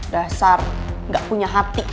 dasar gak punya hati